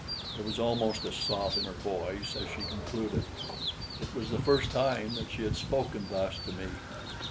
There was almost a sob in her voice as she concluded. It was the first time that she had spoken thus to me.